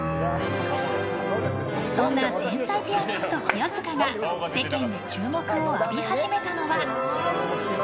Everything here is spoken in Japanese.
そんな天才ピアニスト清塚が世間で注目を浴び始めたのは。